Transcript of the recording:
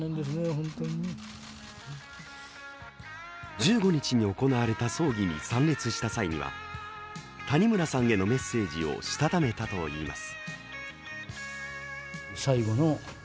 １５日に行われた葬儀に参列した際には谷村さんへのメッセージをしたためたといいます。